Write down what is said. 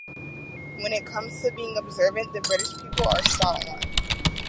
When it comes to being observant, the British people are spot on.